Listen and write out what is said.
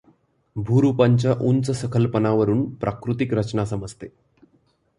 भूरूपांच्या उंचसखलपणावरून प्राकृतिक रचना समजते.